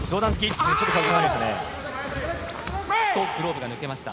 おっと、グローブが抜けました。